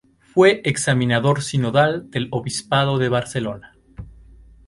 Fue examinador sinodal del obispado de Barcelona.